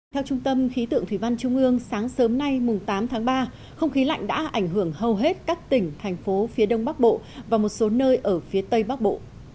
theo trung tâm khí tượng thủy văn trung ương sáng sớm nay tám tháng ba không khí lạnh đã ảnh hưởng hầu hết các tỉnh thành phố phía đông bắc bộ và một số nơi ở phía tây bắc bộ